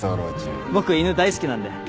僕犬大好きなんで。